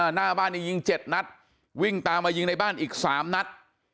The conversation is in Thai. หน้าบ้านนี้ยิง๗นัดวิ่งตามมายิงในบ้านอีก๓นัด